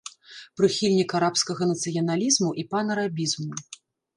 Прыхільнік арабскага нацыяналізму і панарабізму.